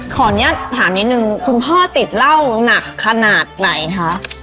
เดี๋ยวขอถามนิดนึงคุณพ่อติดเล่าหนักขนาดไหนคะ